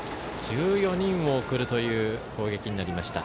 １４人を送るという攻撃になりました。